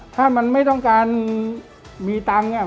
ถ้ามันไม่ต้องการมีตังค์